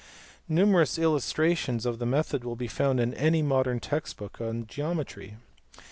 Numerous illustrations of the method will be found in any modern text book on geometry.